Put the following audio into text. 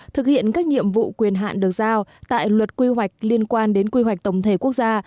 thực hiện các nhiệm vụ quyền hạn được giao tại luật quy hoạch liên quan đến quy hoạch tổng thể quốc gia